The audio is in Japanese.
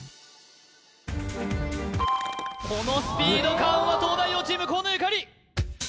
このスピード感は東大王チーム河野ゆかり